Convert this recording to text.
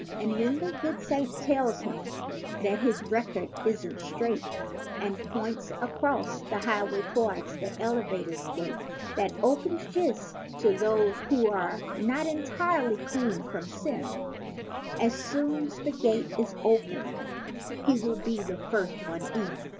47 And when the good Saint tells him that his record isn't straight And points across the highway towards the eleva¬ tor's gate That opens just to those who're not entirely cleansed from sin As soon's the gate is opened he will be the first one in.